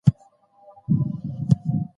چې اخلاق او پوهه ولري.